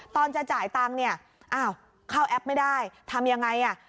ตอนจะจ่ายตังค์นี่อ้าวเข้าแอปไม่ได้ทำอย่างไร